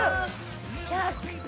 「１００点！」